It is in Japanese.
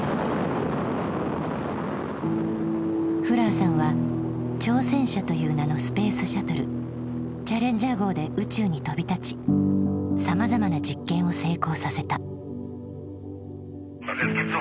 フラーさんは挑戦者という名のスペースシャトル「チャレンジャー号」で宇宙に飛び立ちさまざまな実験を成功させた。